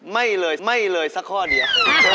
ไม่เลยไม่เลยสักข้อเดียว